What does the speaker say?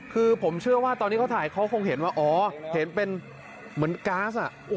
คือผมเชื่อว่าตอนที่เขาถ่ายเขาคงเห็นว่าอ๋อเห็นเป็นเหมือนก๊าซ